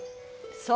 そう。